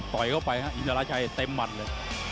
ต่อยเข้าไปครับอินทราชัยเต็มมันเลย